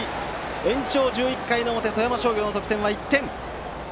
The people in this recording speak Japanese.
延長１１回の表富山商業の得点は１点。